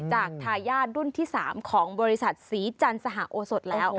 ทายาทรุ่นที่๓ของบริษัทศรีจันทร์สหโอสดแล้ว